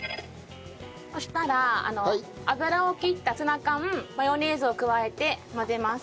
そしたら油を切ったツナ缶マヨネーズを加えて混ぜます。